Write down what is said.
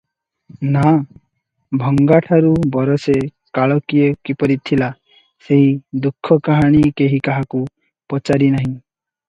ନାଆ ଭଙ୍ଗାଠାରୁ ବରଷେ କାଳ କିଏ କିପରି ଥିଲା, ସେହି ଦୁଃଖକାହାଣୀ କେହି କାହାକୁ ପଚାରି ନାହିଁ ।